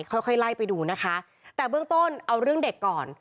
ค่อยค่อยไล่ไปดูนะคะแต่เบื้องต้นเอาเรื่องเด็กก่อน